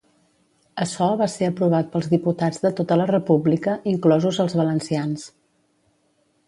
Açò va ser aprovat pels diputats de tota la República, inclosos els valencians